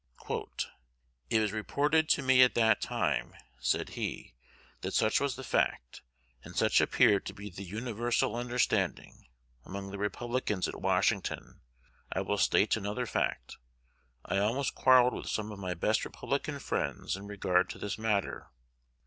"It was reported to me at that time," said he, "that such was the fact; and such appeared to be the universal understanding, among the Republicans at Washington. I will state another fact, I almost quarrelled with some of my best Republican friends in 'regard to this matter.